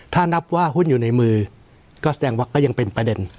ถ้านับว่าหุ้นอยู่ในมือก็แสดงว่าก็ยังเป็นประเด็น